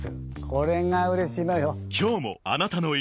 これがうれしいのよ。